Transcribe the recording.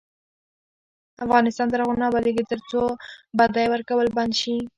افغانستان تر هغو نه ابادیږي، ترڅو بدی ورکول بند نشي.